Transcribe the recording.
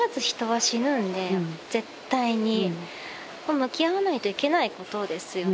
向き合わないといけないことですよね